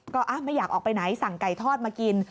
ก็ไม่อยากออกไปไหนสั่งไก่ทอดมากิน